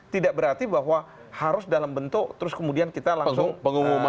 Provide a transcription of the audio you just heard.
tidak berarti bahwa harus dalam bentuk terus kemudian kita langsung pengumuman